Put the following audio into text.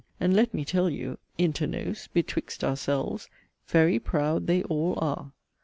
And let me tell you, (inter nos, 'betwixt ourselves,') 'very proud they all are.'